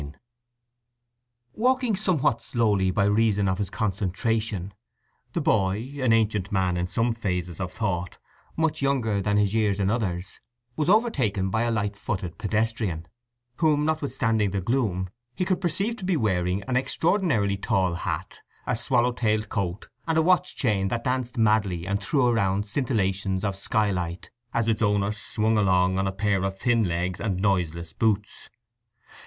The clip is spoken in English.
IV Walking somewhat slowly by reason of his concentration, the boy—an ancient man in some phases of thought, much younger than his years in others—was overtaken by a light footed pedestrian, whom, notwithstanding the gloom, he could perceive to be wearing an extraordinarily tall hat, a swallow tailed coat, and a watch chain that danced madly and threw around scintillations of sky light as its owner swung along upon a pair of thin legs and noiseless boots.